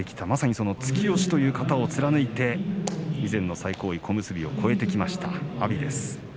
まさに突き押しという型を貫いて以前の最高位小結を超えてきました。